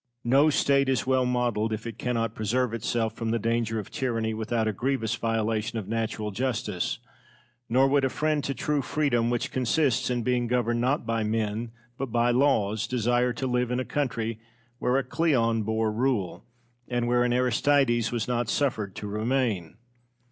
Cosmo. No State is well modelled if it cannot preserve itself from the danger of tyranny without a grievous violation of natural justice; nor would a friend to true freedom, which consists in being governed not by men but by laws, desire to live in a country where a Cleon bore rule, and where an Aristides was not suffered to remain.